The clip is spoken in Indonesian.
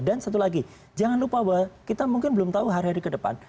dan satu lagi jangan lupa bahwa kita mungkin belum tahu hari hari ke depan